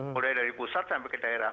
mulai dari pusat sampai ke daerah